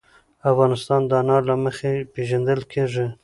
افغانستان د انار له مخې پېژندل کېږي.